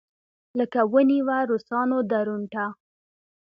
لکه ونېوه روسانو درونټه.